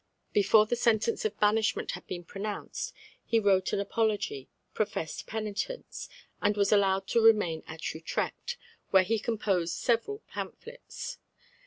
Before the sentence of banishment had been pronounced he wrote an apology, professed penitence, and was allowed to remain at Utrecht, where he composed several pamphlets.